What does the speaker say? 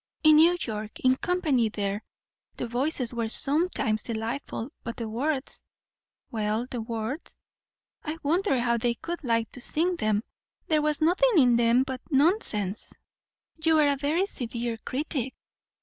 "In New York. In company there. The voices were sometimes delightful; but the words " "Well, the words?" "I wondered how they could like to sing them. There was nothing in them but nonsense." "You are a very severe critic!"